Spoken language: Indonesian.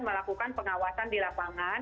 melakukan pengawasan dilaporkan